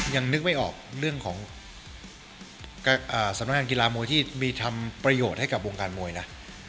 ยังนึกไม่ออกเรื่องของสำนักงานกีฬามวยที่มีทำประโยชน์ให้กับวงการมวยนะ